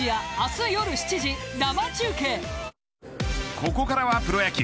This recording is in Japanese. ここからはプレー野球。